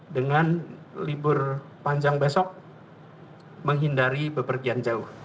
dengan libur panjang besok menghindari bepergian jauh